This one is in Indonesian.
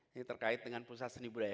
ini terkait dengan pusat seni budaya